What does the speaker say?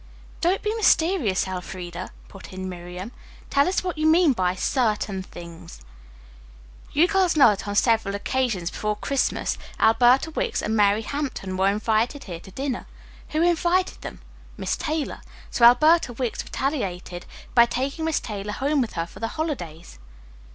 "Don't be mysterious, Elfreda," put in Miriam. "Tell us what you mean by 'certain things'?" "You girls know that on several occasions before Christmas Alberta Wicks and Mary Hampton were invited here to dinner. Who invited them? Miss Taylor. So Alberta Wicks retaliated by taking Miss Taylor home with her for the holidays."